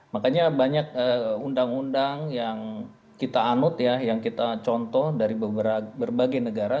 makanya banyak undang undang yang kita anut ya yang kita contoh dari berbagai negara